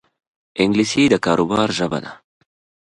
انګلیسي د کاروبار ژبه ده